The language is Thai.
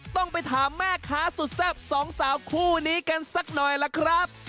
ต้องไปถามแม่ค้าสุดแซ่บสองสาวคู่นี้กันสักหน่อยล่ะครับ